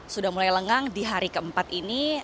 sudah mulai lengang di hari keempat ini